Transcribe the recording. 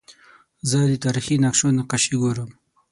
زه د تاریخي نقشو نقاشي ګورم.